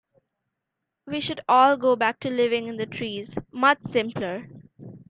We should all go back to living in the trees, much simpler.